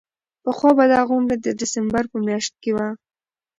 پخوا به دا غونډه د ډسمبر په میاشت کې وه.